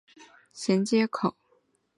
另预留未来增设对侧出入口之衔接口。